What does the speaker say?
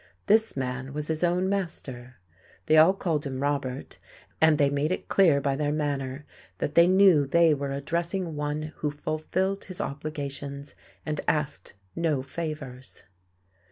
This man was his own master. They all called him "Robert," and they made it clear by their manner that they knew they were addressing one who fulfilled his obligations and asked no favours.